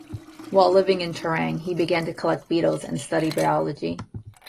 While living in Terang, he began to collect beetles and study biology.